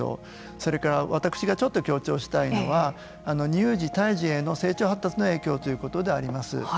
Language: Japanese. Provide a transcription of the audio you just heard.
それから私がちょっと強調したいのは乳児、胎児への成長発達の影響ということであります。